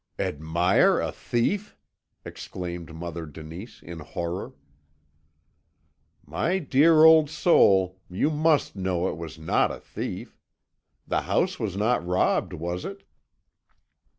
"Admire a thief!" exclaimed Mother Denise, in horror. "My dear old soul, you must know it was not a thief. The house was not robbed, was it?"